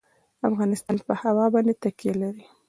افغانستان په هوا باندې تکیه لري.